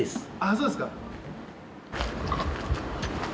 そうですか。